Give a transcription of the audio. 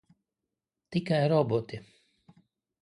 Tikai roboti.